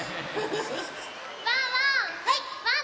ワンワン！